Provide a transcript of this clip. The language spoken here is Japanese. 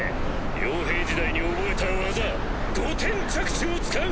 傭兵時代に覚えた技５点着地を使う。